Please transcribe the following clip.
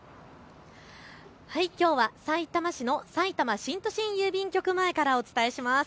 きょうはさいたま市のさいたま新都心郵便局前からお伝えします。